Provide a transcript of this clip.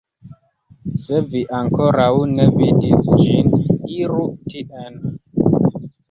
Se vi ankoraŭ ne vidis ĝin, iru tien